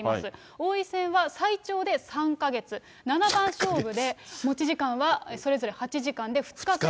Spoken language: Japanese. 王位戦は最長で３か月、七番勝負で、持ち時間はそれぞれ８時間で、２日間。